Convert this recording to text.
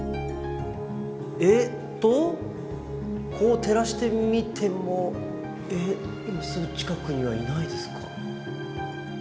えっとこう照らしてみてもえっすぐ近くにはいないですか？